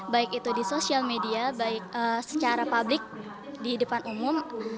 baik itu di sosial media baik secara publik di depan umum